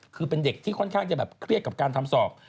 คือเป็นเด็กที่ค่อนข้างจะแบบเครียดกับการทำสอบ